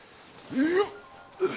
よっ。